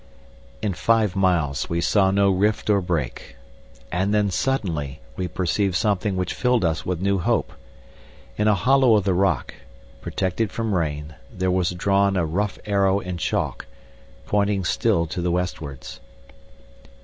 In five miles we saw no rift or break. And then suddenly we perceived something which filled us with new hope. In a hollow of the rock, protected from rain, there was drawn a rough arrow in chalk, pointing still to the westwards.